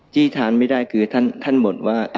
ที่ทานไม่ได้คือท่านบ่นว่า